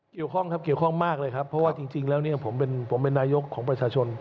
เกี่ยวข้องครับเกี่ยวข้องมากเลยครับเพราะว่าจริงแล้วเนี่ยผมเป็นนายกของประชาชน